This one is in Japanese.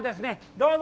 どうぞ！